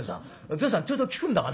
善さんちょいと聞くんだがね